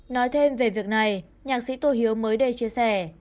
nói thêm về việc này nhạc sĩ tô hiếu mới đây chia sẻ